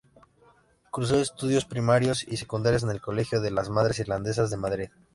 Cursó estudios primarios y secundarios en el colegio de las madres Irlandesas de Madrid.